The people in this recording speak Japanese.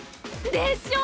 でしょ！